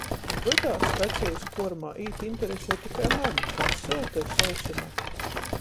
Vydā stacejis kuormā īt interesej tikai mani, kam sylta i sausa nakts.